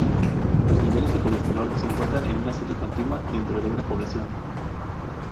Los niveles de colesterol se encuentran en una serie continua dentro de una población.